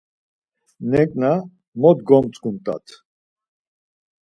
Neǩna mo gomtzǩimt̆at!